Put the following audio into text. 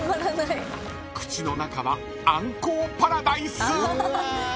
［口の中はアンコウパラダイス］